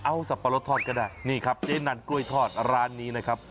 เอาสับปะรดทอดก็ได้นี่ครับเจ๊นันกล้วยทอดร้านนี้นะครับ